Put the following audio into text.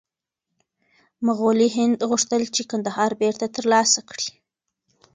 مغولي هند غوښتل چې کندهار بېرته ترلاسه کړي.